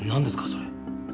それ。